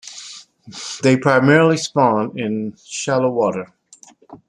They primarily spawn in shallow water.